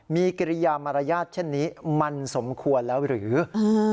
มีกิริยามารยาทเช่นนี้มันสมควรแล้วหรืออืม